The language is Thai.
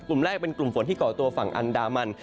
กลุ่มแรกเป็นกลุ่มฝนที่ก่อตัวฝั่งอันดามัน